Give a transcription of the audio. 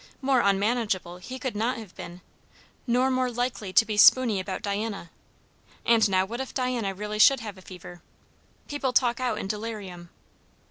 More unmanageable he could not have been; nor more likely to be spooney about Diana. And now what if Diana really should have a fever? People talk out in delirium.